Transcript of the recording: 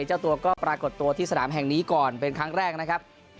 เจ้าตัวก็ปรากฏตัวที่สนามแห่งนี้ก่อนเป็นครั้งแรกนะครับ